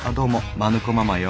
マヌ子ママよ。